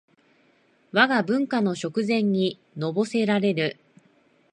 わが文化の食膳にのぼせられる